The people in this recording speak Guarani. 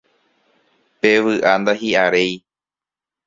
Pe vy'a ndahi'aréi